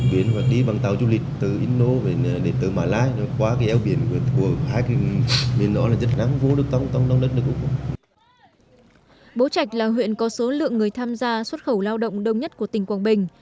bố trạch là huyện có số lượng người tham gia xuất khẩu lao động đông nhất của tỉnh quảng bình